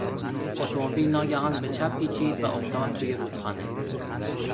اتومبیل ناگهان به چپ پیچید و افتاد توی رودخانه.